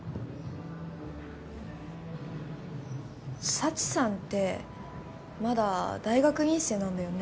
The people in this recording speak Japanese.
佐知さんってまだ大学院生なんだよね？